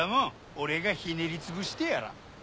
俺がひねり潰してやら。